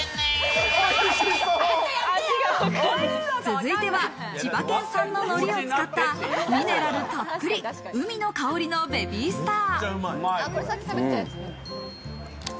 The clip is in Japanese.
続いては千葉県産の海苔を使ったミネラルたっぷり、海の香りのベビースター。